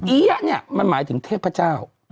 อียะมันหมายถึงเทพเจ้า